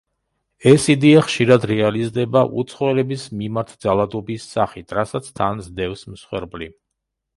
ეს იდეა ხშირად რეალიზდება უცხოელების მიმართ ძალადობის სახით, რასაც თან სდევს მსხვერპლი.